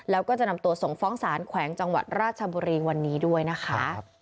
แล้วก็จะนำตัวส่งฟ้องสารแขวงจังหวัดราชบุรีวันนี้ด้วยนะคะ